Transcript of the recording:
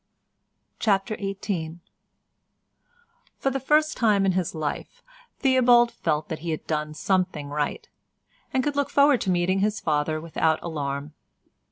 CHAPTER XVIII For the first time in his life Theobald felt that he had done something right, and could look forward to meeting his father without alarm.